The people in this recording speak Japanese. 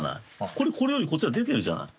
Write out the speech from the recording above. これこれよりこっちが出てるじゃない。